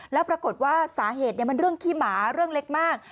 แล้วปรากฏว่าสาเหตุมันเรื่องขี้หมาเรื่องเล็กมาก